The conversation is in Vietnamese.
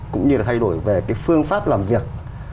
cũng như là thay đổi về cái phương pháp làm việc